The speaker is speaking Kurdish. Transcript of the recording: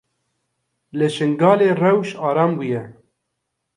Li Şingalê rewş aram bûye.